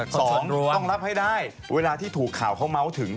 สองต้องรับให้ได้เวลาที่ถูกข่าวเขาเมาส์ถึง